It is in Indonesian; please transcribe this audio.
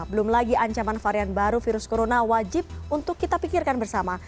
belum lagi ancaman varian baru virus corona wajib untuk kita pikirkan bersama